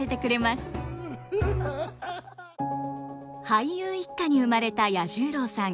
俳優一家に生まれた彌十郎さん。